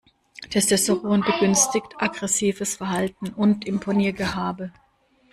Testosteron begünstigt aggressives Verhalten und Imponiergehabe.